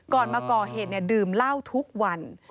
ก่อนมาก่อเหตุเนี่ยดื่มเหล้าทุกวัน